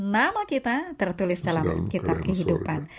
nama kita tertulis dalam kitab kehidupan